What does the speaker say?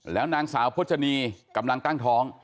แล้วนางสาวพจนีกำลังตั้งท้อง